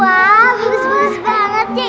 bagus bagus banget ya